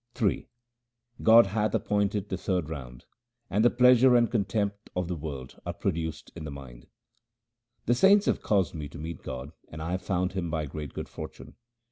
Ill God hath appointed the third round, and pleasure and contempt of the world are produced in the mind. The saints have caused me to meet God, and I have found Him by great good fortune.